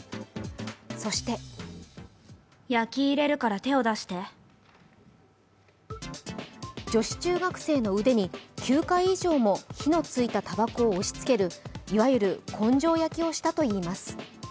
そして女子中学生の腕に９回以上も火のついたたばこを押しつけるいわゆる根性焼きをしたといいます。